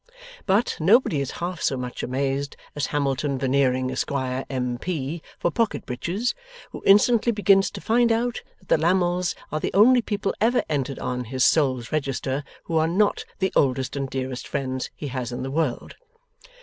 But, nobody is half so much amazed as Hamilton Veneering, Esquire, M.P. for Pocket Breaches, who instantly begins to find out that the Lammles are the only people ever entered on his soul's register, who are NOT the oldest and dearest friends he has in the world.